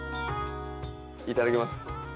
いただきます。